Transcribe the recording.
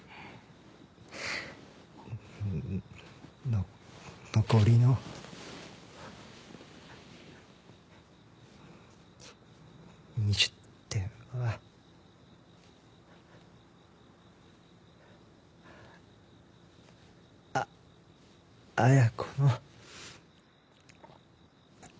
の残りの２０点はあ綾子の愛情。